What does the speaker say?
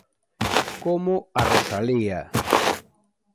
Como a Rosalía.